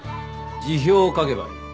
辞表を書けばいい。